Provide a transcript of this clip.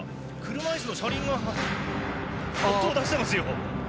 車いすの車輪が音を出してますよ。